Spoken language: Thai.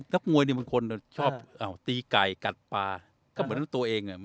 นักมวยเนี่ยบางคนชอบตีไก่กัดปลาก็เหมือนตัวเองอ่ะ